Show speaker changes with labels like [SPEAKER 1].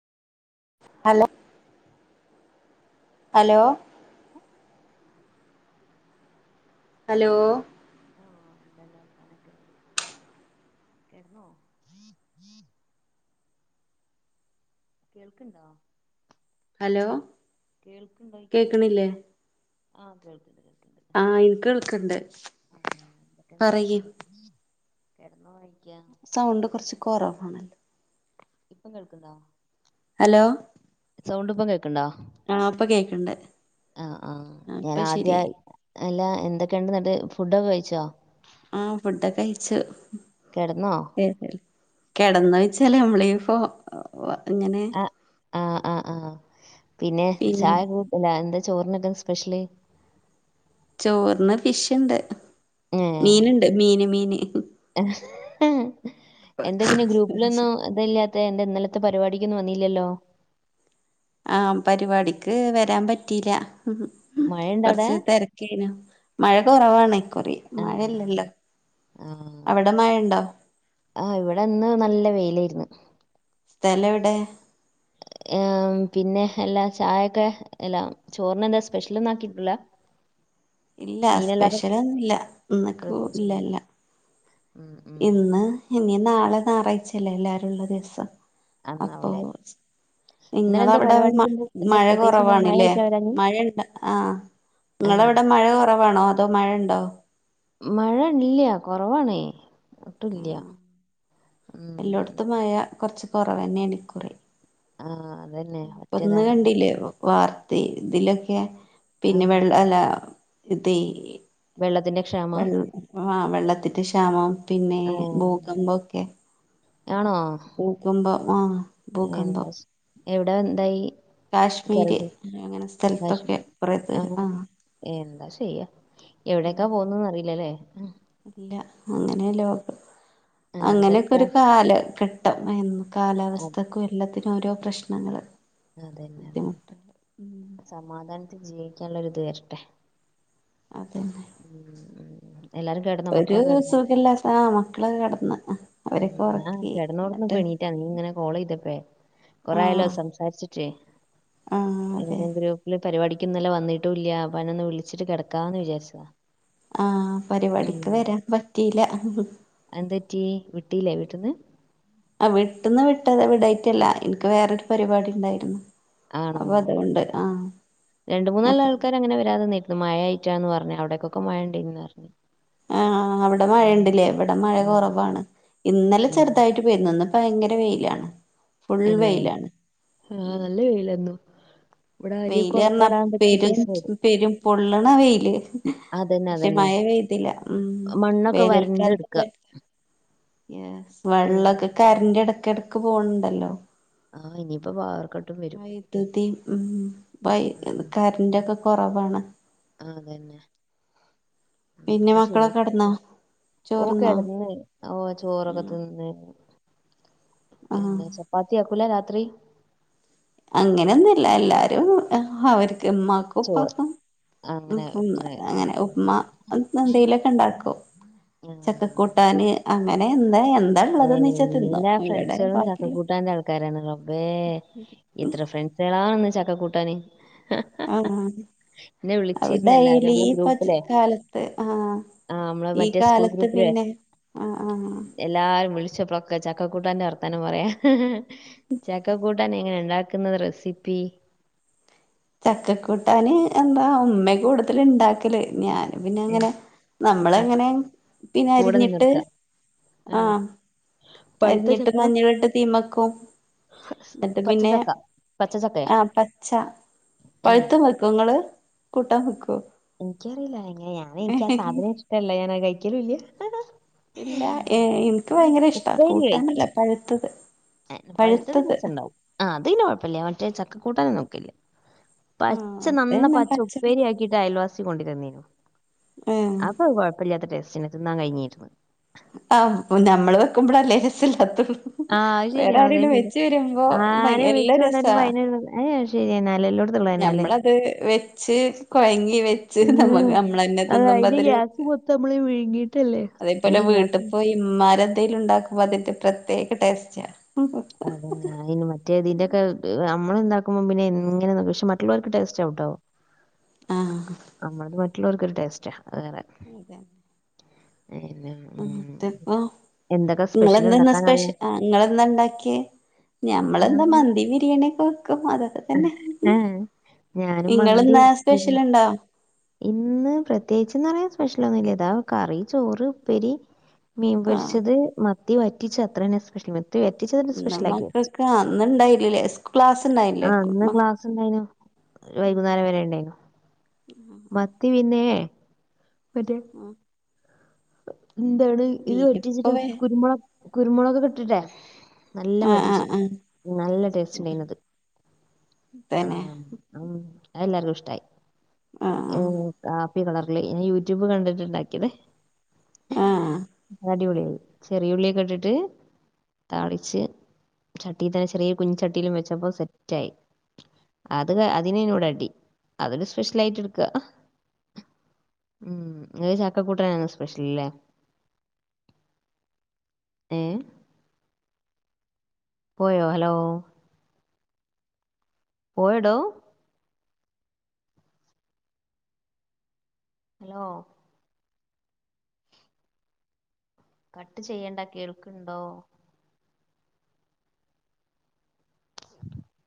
[SPEAKER 1] Hello hello hello?
[SPEAKER 2] ആ എന്താണ്ട വർത്താനൊക്കെ? കേട്ന്നോ? കേൾക്കണ്ടോ?
[SPEAKER 1] ഹലോ?
[SPEAKER 2] കേൾക്ണ്ടോയിക?
[SPEAKER 1] കേക്കണില്ലേ
[SPEAKER 2] ആഹ കേൾക്ക്ണ്ട്, കേൾ
[SPEAKER 1] ആ എനിക്ക് കേൾക്കണ്ട്, പറയ്.
[SPEAKER 2] കടന്ന പോയി.
[SPEAKER 1] സൗണ്ട് കുറച്ച് കുറവാണ്.
[SPEAKER 2] ഇപ്പം കേൾക്ക്ണ്ടോ?
[SPEAKER 1] ഹലോ?
[SPEAKER 2] സൗണ്ട് ഇപ്പം കേൾക്കണ്ടോ?
[SPEAKER 1] ആ, ഇപ്പൊ കേക്ക്ണ്ടേ.
[SPEAKER 2] ആ ആ ഞാൻ ആദ്യ അല്ല, എന്തൊക്കെയ ഉണ്ട്? എന്നിട്ട് ഫുഡൊക്കെ കഴിച്ചോ?
[SPEAKER 1] ആ, ഫുഡൊകെ കഴിച്ച്
[SPEAKER 2] കിടന്നോ
[SPEAKER 1] കിടന്ന്. [unintelligible] അങ്ങനെ
[SPEAKER 2] ആഹ് ആഹ് ആഹ് ആഹ് പിന്നെ, ചായന്ത്കെല എന്താ ചോറിനൊക്കെ സ്പെഷ്യല്?
[SPEAKER 1] ചോറിന്ന് ഫിഷ്ണ്ട്,
[SPEAKER 2] ഏഹ്
[SPEAKER 1] മീൻുണ്ട്... മീന്, മീന്!
[SPEAKER 2] എന്റെ പിന്നെ ഗ്രൂപ്പിലൊന്നും ഇതല്ലാത്തെ? എന്തേ ഇന്നല ഇത്തെ പരിപാടിക്കൊന്നും വന്നില്ലല്ലോ?
[SPEAKER 1] ആ, പരിപാടിക്ക് വരാൻ പറ്റില്ല.
[SPEAKER 2] മഴണ്ടോ അവിടെ
[SPEAKER 1] കൊറച്ച് തിരക്കേയ്നു. മഴ കുറവാണേക്കുറി.
[SPEAKER 2] ആഹ്
[SPEAKER 1] മഴയില്ലല്ലോ.
[SPEAKER 2] ആഹ്
[SPEAKER 1] അവിടെ മയയുണ്ടോ?
[SPEAKER 2] ആഹ് ഇവിടെന്ന് നല്ല വെയില്.
[SPEAKER 1] സ്ഥലം എവിടെ?
[SPEAKER 2] ആ, പിന്നെ, എല്ലാ ചായയൊക്കെ എല്ലാ ചോറിന എന്താ സ്പെഷ്യൽ? ഒന്നും ആക്കിയിട്ടില്ല!
[SPEAKER 1] ഇല്ല, സ്പെഷ്യലൊന്നുല്ല.
[SPEAKER 2] പ്രത്യേകിച്ച് ഒന്നും.
[SPEAKER 1] ഇന്നകൊന്നൂല്ല.
[SPEAKER 2] ഉം ഉം
[SPEAKER 1] ഇന്ന് ഇനി... നാളെ ഞായറാഴ്ച്ചല്ലേ, എല്ലാരുംള്ള ദിവസം! അപ്പൊ...
[SPEAKER 2] അന്നാവൂലേ ഇന്നലെ എന്താ
[SPEAKER 1] നിങ്ങളവിടെ
[SPEAKER 2] പരിപാടിക്ക് എന്ത് എന്താ
[SPEAKER 1] മഴ
[SPEAKER 2] പ്രത്യേകിച്ച് എന്താ മഴ
[SPEAKER 1] കുറവാണല്ലേ?
[SPEAKER 2] ആയിട്ടാ വരാഞ്ഞ്
[SPEAKER 1] മഴുണ്ട? ആ നിങ്ങള
[SPEAKER 2] ഏഹ്
[SPEAKER 1] ഇവിടെ മഴ കുറവാണോ? അതോ മഴ ഉണ്ടോ?
[SPEAKER 2] മഴ ഇല്ല, കുറവാണേ...
[SPEAKER 1] ആ
[SPEAKER 2] ഉം
[SPEAKER 1] എല്ലോട്തും മഴ കുറച്ച് കൊറവാണിക്കുറി.
[SPEAKER 2] ആ
[SPEAKER 1] ഒന്ന് കണ്ടില്ലേ വാർത്തെ ഇതിലൊക്കെ? പിന്നെ,
[SPEAKER 2] ആഹ്
[SPEAKER 1] വെള്ളല്ല ഇത്!
[SPEAKER 2] വെള്ളത്തിന്റെ... ക്ഷാമാ
[SPEAKER 1] വെള്ള ആ വെള്ളത്തിന്റെ ക്ഷാമം, പിന്നെ
[SPEAKER 2] ഏഹ്
[SPEAKER 1] ഭൂകമ്പൊക്കെ...
[SPEAKER 2] ആണോ?
[SPEAKER 1] ഭൂകമ്പം ആ
[SPEAKER 2] എന്താ?
[SPEAKER 1] ഭൂകമ്പം
[SPEAKER 2] എവിടെ എന്തായി?
[SPEAKER 1] കാശ്മീര്,
[SPEAKER 2] കേരളത്തിൽ
[SPEAKER 1] അങ്ങനെ സ്ഥലത്തൊക്കെ
[SPEAKER 2] കാശ്മീർ
[SPEAKER 1] കുറേ തരും... ആ
[SPEAKER 2] ആഹ് എന്താ ചെയ്യ...
[SPEAKER 1] ഉം
[SPEAKER 2] എവിടെൊക്കാ പോകുന്നുന്ന് അറിയില്ലല്ലേ?
[SPEAKER 1] ഇല്ല,
[SPEAKER 2] എവിടെ എത്താ
[SPEAKER 1] അങ്ങനെക്കെരു കാല ഘട്ട... ഉം! കാലാവസ്ഥക്കും എല്ലാത്തിനും ഓരോ പ്രശ്നങ്ങള്ൾ...
[SPEAKER 2] അതന്നെ! അതന്നെ സമാധാനം! ജീവിക്കാനുള്ളരിത് വരട്ടെ...
[SPEAKER 1] അതന്ന
[SPEAKER 2] ഉം ഉം. എല്ലാരും കെടന്നോ
[SPEAKER 1] ഒരു
[SPEAKER 2] മക്കളൊക്കെ കെടന്നോ
[SPEAKER 1] സുഖ ഇല്ല ആ മക്കള കിടന്ന്
[SPEAKER 2] ഉം ഞാൻ കിടന്നോടന്ന് പണീറ്റാ നീ ഇങ്ങനെ കോള ചെയ്തപ്പേ
[SPEAKER 1] ആ
[SPEAKER 2] കൊറയാലോ സംസാരിച്ചിട്ടേ
[SPEAKER 1] ആ അതെ
[SPEAKER 2] പരിപാടിക്ക്ന്നല്ല വന്നിട്ട ഇല്ല അപ്പൊ അന്നേ ഒന്ന് വിളിച്ചിട്ട് കിടക്കാമന്ന് വിചാരിച്ചതാ
[SPEAKER 1] ആ
[SPEAKER 2] ഉം
[SPEAKER 1] പരിപാടിക്ക് വരാൻ പറ്റിയില്ല
[SPEAKER 2] ല്ല വീട്ടന്ന്
[SPEAKER 1] ആ വിട്ടന്ന് വിട്ടതെ വിടായിറ്റല്ല എനിക്ക് വേറൊരു പരിപാടി ഉണ്ടായിരുന്നു
[SPEAKER 2] ആണോ
[SPEAKER 1] അപ്പൊ അതുകൊണ്ട് ആഹ്
[SPEAKER 2] രണ്ടു
[SPEAKER 1] മൊത്ത
[SPEAKER 2] മൂന്നാല ആൾക്കാര അങ്ങനെ വരാതെ നിന്നിന്നു മഴായി മച്ചാന്ന് പറഞ്ഞ് അവിടേക്കൊക്കെ വേണ്ടീന്ന് പറഞ്ഞ്
[SPEAKER 1] ആ അവിടെ മഴ ഉണ്ടില്ലേ എവിടെ മഴ
[SPEAKER 2] ഉം
[SPEAKER 1] കുറവാണ് ഇന്നലെ
[SPEAKER 2] ഉം
[SPEAKER 1] ചെറുതായിട്ട് പോയിന്നന്ന് ഇ ഭയങ്കര വെയിലാണ് ഫുൾ
[SPEAKER 2] എന്നെ
[SPEAKER 1] വെയിലാണ്
[SPEAKER 2] ആഹ് നല്ല വെയിലായിരുന്നു ഇവിടെ അരി ഒക്കെ
[SPEAKER 1] വെയില് പറഞ്ഞ
[SPEAKER 2] ഉണക്കാടാൻ പറ്റിയ
[SPEAKER 1] പെരും
[SPEAKER 2] സൈസ് ആയിരുന്നു
[SPEAKER 1] പെരും പൊള്ണ വെയില്
[SPEAKER 2] അതന്നെ
[SPEAKER 1] പക്ഷെ
[SPEAKER 2] അതന്നെ
[SPEAKER 1] മഴ തില്ല ഉ
[SPEAKER 2] മണ്ണൊക്കെ വരണ്ട്
[SPEAKER 1] വേനൽക്കാലക്ക
[SPEAKER 2] എടുക്ക
[SPEAKER 1] പോ
[SPEAKER 2] ഏഹ്
[SPEAKER 1] വെള്ളമൊക്കെ കരറ് ഇടക്ക ഇടക്ക് പോണണ്ടല്ലോ
[SPEAKER 2] ആ ഇനിപ്പൊ വാറും
[SPEAKER 1] വൈദ്യുതി ഉം വൈ കറന്റൊക്കെ കുറവാണ്
[SPEAKER 2] ആതന്നെ
[SPEAKER 1] പിന്നെ മക്കളൊക്കെ കടന്നാ
[SPEAKER 2] ഓ കടന്ന് ഓ ചോറൊക്കെ
[SPEAKER 1] ഉം
[SPEAKER 2] തിന്ന
[SPEAKER 1] ആഹ്
[SPEAKER 2] പിന്നെ ചപ്പാത്തിയാക്കൂല രാത്രി
[SPEAKER 1] അങ്ങനെയൊന്നല്ല എല്ലാരും അവർക്ക് ഉ്മാക്ക
[SPEAKER 2] ചോറ്
[SPEAKER 1] ഉപ്പാക്കും
[SPEAKER 2] അങ്ങനെ
[SPEAKER 1] ഉപ്പ
[SPEAKER 2] പറ്റണായിരുന്നു
[SPEAKER 1] അങ്ങനെ ഉ് എന്തേലൊക്കെ ഉണ്ടാക്കോ ചക്കക്കൂട്ടാന് അങ്ങനെ എന്താ എന്താ
[SPEAKER 2] ഏ
[SPEAKER 1] ഉള്ളതെന്ന് വെച്ചാ തിന്നും
[SPEAKER 2] എല്ലാ
[SPEAKER 1] ഇവിടെ
[SPEAKER 2] ഫ്രണ്ട്സുകളും ചക്ക
[SPEAKER 1] ബാക്കില്ല
[SPEAKER 2] കൂട്ടാന്റെ ആൾക്കാരാണ് റബേ ഇത്ര ഫ്രണ്ട്സുകളണന്ന് ചക്ക കൂട്ടാന്
[SPEAKER 1] ആഹ അവിടെ
[SPEAKER 2] വിളിച്ചിരുന്നു എല്ലാരും
[SPEAKER 1] ഡെലി
[SPEAKER 2] നമ്മളെ
[SPEAKER 1] പ
[SPEAKER 2] ഗ്രൂപ്പിലെ
[SPEAKER 1] കാലത്ത് ആഹ
[SPEAKER 2] ആഹ് നമ്മളെ
[SPEAKER 1] ഈ
[SPEAKER 2] മറ്റേ സ്കൂൾ
[SPEAKER 1] കാലത്ത്
[SPEAKER 2] ഗ്രൂപ്പിലെ
[SPEAKER 1] പിന്നെ ആഹ് ആഹ്
[SPEAKER 2] എല്ലാരും വിളിച്ചപ്പള്ളൊക്കെ ചക്കക്കൂട്ടന്റെ വർത്താനം പറയാ ചക്കക്കു ട്ടാൻ എങ്ങനെ ഉണ്ടാക്കുന്നത് റെസിപ്പി
[SPEAKER 1] ചക്കക്കൂട്ടാന് എന്താ ഉമ്മ കൂടുതൽ ഇണ്ടാക്കല് ഞാൻ പിന്നെ അങ്ങനെ നമ്മൾ എങ്ങനെ പിന്നെ
[SPEAKER 2] കൂടെ
[SPEAKER 1] അരിഞ്ഞിട്ട്
[SPEAKER 2] നിന്നൊടുക്ക ആ
[SPEAKER 1] ആഹ
[SPEAKER 2] പഴുത്ത
[SPEAKER 1] അരിഞ്ഞിട്ട്
[SPEAKER 2] ചക്ക
[SPEAKER 1] മഞ്ഞളിട്ട് തീമക്കും എന്നിട്ട് പിന്നെ
[SPEAKER 2] പച്ചച്ചക്ക പച്ചച്ചക്കയ
[SPEAKER 1] ആഹ പച്ച
[SPEAKER 2] ഉം
[SPEAKER 1] പഴുത്ത വെക്കങ്ങള് കൂട്ടം വെക്കു
[SPEAKER 2] എനിക്കറിയില്ല എങ്ങന ഞാന എനിക്ക് ആ സാധനം ഇഷ്ടല്ല ഞാനാ കഴിക്കലുല
[SPEAKER 1] ഇല്ല ഏ ഇങ്ക് ഭയങ്കര ഇഷ്ടാ
[SPEAKER 2] ഉപ്പേരി
[SPEAKER 1] കൂട്ടാനല്ല
[SPEAKER 2] കഴിച്ച്
[SPEAKER 1] പഴുത്തത്
[SPEAKER 2] പഴുത്തത് രസണ്ടാവും ആ അത് പിന്നെ കൊഴപ്പമില്ല മറ്റേ ചക്കക്കൂട്ടാനെ നോക്കല്ലേ
[SPEAKER 1] ആഹ്
[SPEAKER 2] പച്ച നന്ന
[SPEAKER 1] അതന്നെ
[SPEAKER 2] പച്ച ഉപ്പേരിയാക്കിട്ട് അയൽവാസി കൊണ്ടിത്തന്നേനു
[SPEAKER 1] ഏഹ്
[SPEAKER 2] അപ്പൊ കുഴപ്പമില്ലാത്ത ടെസ്റ്റ്‌എനി തിന്നാൻ കഴിഞ്ഞിരുന്നു
[SPEAKER 1] ആഹ ഞമ്മള് വെക്കുമ്പള്ളല്ലേ ലേസല്ലാത്ത
[SPEAKER 2] ആ അത്
[SPEAKER 1] വേറെ
[SPEAKER 2] ശരിയാ വളരെ
[SPEAKER 1] ആരെങ്കിലും
[SPEAKER 2] ശരിയാ
[SPEAKER 1] വെച്ച് വരുമ്പോ
[SPEAKER 2] ആരെ
[SPEAKER 1] എല്ലാ രസാ
[SPEAKER 2] വെച്ചോണ്ടാലും അതിനൊരു ഏഹ് ശരി തന്നാല്ലേ എല്ലോടത്തും ഉള്ളത് തന്നാല്ലേ
[SPEAKER 1] ഞമ്മളത് വെച്ച് കൊഴങ്ങി വെച്ച് നമ്മ നമ്മൾന്നെ തിന്നുമ്പോ അതൊരു
[SPEAKER 2] പുത്തമ്മളെ വിയിങ്ങി
[SPEAKER 1] അതേപോലെ വീട്ടിപ്പോ ഇമ്മാര് ഏതേലും ഉണ്ടാക്കുമ്പോ അതിന്റെ പ്രത്യേക ടെസ്റ്റ്
[SPEAKER 2] അതന്നെ അതിന് മറ്റേ ഇതിന്റോക്കെ മ്മള് ഉണ്ടാകുമ്പോ എങ്ങനെ മറ്റുള്ളോർക് ടെസ്റ്റ് ആവുട്ടോ
[SPEAKER 1] ആഹ്
[SPEAKER 2] മറ്റുള്ളോർക്കൊ ടെസ്റ്റ്
[SPEAKER 1] അതെ
[SPEAKER 2] പിന്നെ ഉം
[SPEAKER 1] പ്പം
[SPEAKER 2] എന്തൊക്കെ സ്പെഷ്യൽ
[SPEAKER 1] ഇങ്ങളന്ത ന്ന്
[SPEAKER 2] ഇണ്ടാക്കാൻ
[SPEAKER 1] സ്പെഷ
[SPEAKER 2] അറിയാം
[SPEAKER 1] ഇങ്ങള്ളന്ന ണ്ടാക്കിയെ
[SPEAKER 2] ഞാൻ
[SPEAKER 1] ഞമ്മളെന്താ മന്തി ബിരിയാണിയക്കെ വക്കും അതൊക്കെ തന്നെ
[SPEAKER 2] ഏഹ് ഞാനും
[SPEAKER 1] ഇങ്ങൾ
[SPEAKER 2] മന്തി
[SPEAKER 1] ഇന്നാ
[SPEAKER 2] വെച്ചിരുന്നു
[SPEAKER 1] സ്പെഷ്യൽ ണ്ടോ
[SPEAKER 2] ഇന്ന് പ്രത്യേകിച്ച്ന്ന്റയാൻ സ്പെഷ്യല ഒന്നുല്ല ഇതാ കറി ചോറ് ഉപ്പേരി മീൻ
[SPEAKER 1] ആഹ്
[SPEAKER 2] പൊടിച്ചത് മത്തി വറ്റിച്ച അത്രെ സ്പെഷ്യൽ ത്തി പറ്റിച്ചതൊരു
[SPEAKER 1] ഇന്ന്
[SPEAKER 2] സ്പെഷ്യലാക്കി വച്ച
[SPEAKER 1] മക്കൾക്ക് ആഹ് ഇന്നുണ്ടായില്ലല്ലേ ക്ലാസ് ഉണ്ടായില്ലേ
[SPEAKER 2] ആ ന്ന്
[SPEAKER 1] മ
[SPEAKER 2] ക്ലാസ്സ്ണ്ടയ്ന്യൂ
[SPEAKER 1] ഉം
[SPEAKER 2] വൈകുന്നേരം വരെ ഉണ്ടായിരുന്നു
[SPEAKER 1] ആഹ് ആഹ്
[SPEAKER 2] മത്തി പിന്നെ മറ്റേ
[SPEAKER 1] ആഹ്
[SPEAKER 2] എന്താണ് ഇത്
[SPEAKER 1] മീനിപ്പോ
[SPEAKER 2] പെറ്റച്ചിട്ട്
[SPEAKER 1] വേ
[SPEAKER 2] കുരുമുള കുരുമുളൊക്കെ ഇട്ടിട്ടേ നല്ല
[SPEAKER 1] ആഹ്
[SPEAKER 2] പറ്റച്ചു
[SPEAKER 1] ആഹ്
[SPEAKER 2] നല്ല ടേസ്റ്റ്
[SPEAKER 1] ആഹ്
[SPEAKER 2] ഉണ്ടായിന്യൂ അത്
[SPEAKER 1] തന്നെ
[SPEAKER 2] ആഹ ഉം അഹ് എല്ലർും ഇഷ്ടായി
[SPEAKER 1] ആഹ്
[SPEAKER 2] ഏ ക പ്പി കളറില് ഇനി യൂട്യൂബ് കണ്ടിട്ടുണ്ടാക്കിയത്
[SPEAKER 1] ആഹ്
[SPEAKER 2] അടിപൊളിയായി ചെറിയ ഉള്ളിയൊക്കെ ഇട്ടിട്ട് താളിച്ച് ചട്ടി തന്നെ ചെറിയ കുഞ്ഞ് ചട്ടിലും വെച്ചപ്പോ സെറ്റ ആായി അത് അതിനേനൂവിടെ ടാട്ടി അതൊരു സ്പെഷ്യൽ ആയിട്ട് എടുക്കുക ഉം ഇങ്ങഹ് ചക്ക കൂട്ടാൻ ആണോ ഇഷ് സ്പെഷ്യൽ ലേ ഏ പോയോ ഹലോ പോയോടോ ഹലോ കട്ട് ചെയ്യേണ്ട കേൾക്ക്‌ണ്ടോ